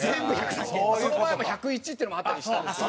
その前も１０１っていうのもあったりしたんですよ。